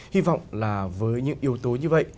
hy vọng là với những yếu tố như vậy